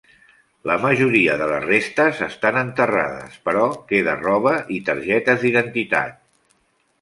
La majoria de les restes estan enterrades però queda roba i targetes d'identitat.